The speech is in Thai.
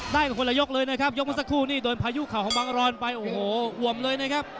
ได้กันคนละยกเลยนะครับยกเมื่อสักครู่นี่โดนพายุเข่าของบังรอนไปโอ้โหอวมเลยนะครับ